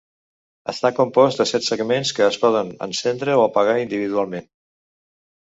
Està compost de set segments que es poden encendre o apagar individualment.